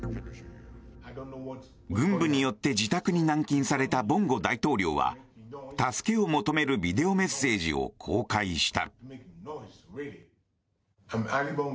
軍部によって自宅に軟禁されたボンゴ大統領は助けを求めるビデオメッセージを公開した。